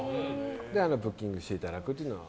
ブッキングしていただくというのは。